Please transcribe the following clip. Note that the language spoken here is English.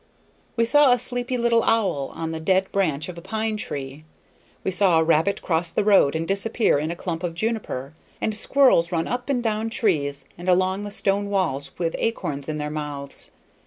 We saw a sleepy little owl on the dead branch of a pine tree; we saw a rabbit cross the road and disappear in a clump of juniper, and squirrels run up and down trees and along the stone walls with acorns in their mouths.